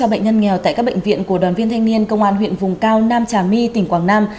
ba bệnh nhân nghèo tại các bệnh viện của đoàn viên thanh niên công an huyện vùng cao nam trà my tỉnh quảng nam